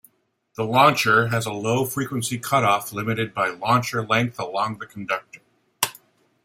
The Launcher has a low frequency cutoff limited by launcher length along the conductor.